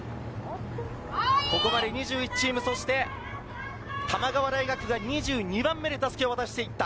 ここまで２１チーム、そして玉川大学が２２番目で襷を渡していった。